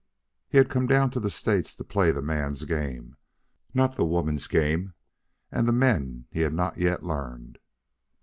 He had come down to the States to play the man's game, not the woman's game; and the men he had not yet learned.